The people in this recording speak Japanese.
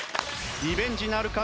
リベンジなるか？